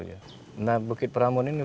nah bukit peramun ini